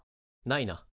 ないな。